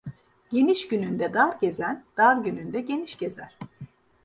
Geniş günün de dar gezen, dar günün de geniş gezer.